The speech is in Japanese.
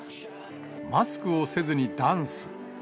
マスクをせずにダンス。